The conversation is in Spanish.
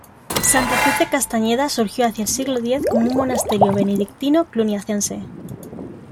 Santa Cruz de Castañeda surgió hacia el siglo X como un monasterio benedictino cluniacense.